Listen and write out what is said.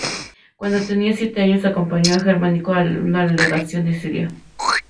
Cuando tenía siete años acompañó a Germánico a una legación en Siria.